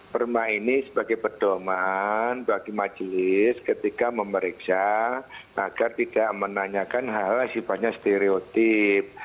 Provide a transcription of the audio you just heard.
perma ini sebagai pedoman bagi majelis ketika memeriksa agar tidak menanyakan hal hal sifatnya stereotip